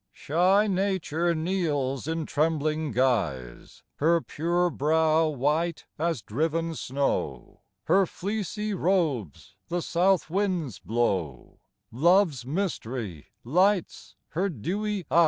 Shy Nature kneels in trembling guise, Her pure brow white as driven snow, Her fleecy robes the south winds blow, Love's mystery lights her dewy eyes.